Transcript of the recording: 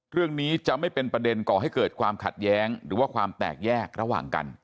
เรื่องนี้จะไม่เป็นประเด็นก่อให้เกิดความขัดแย้งหรือว่าความแตกแยกระหว่างกัน